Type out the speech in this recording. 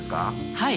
はい。